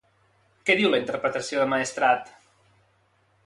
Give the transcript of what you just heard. Què diu la interpretació de Maestrat?